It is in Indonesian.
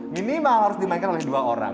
minimal harus dimainkan oleh dua orang